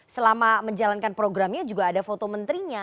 selama menjalankan programnya juga ada foto menterinya